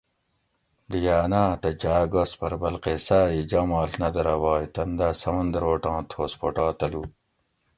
ڈیانا تہ جا گس پرہ بلقیسا ای جاماڷ نہ درابائی تن دا سمندروٹاں تھوس پھوٹا تلو